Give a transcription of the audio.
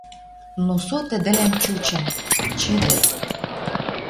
Но со тӹдӹлӓн чучын: чӹдӹ.